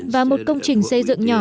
và một công trình xây dựng nhỏ